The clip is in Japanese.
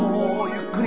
ゆっくり。